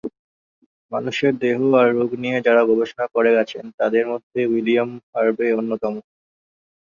মানুষের দেহ আর রোগ নিয়ে যাঁরা গবেষণা করে গেছেন তাদের মধ্যে উইলিয়াম হার্ভে অন্যতম।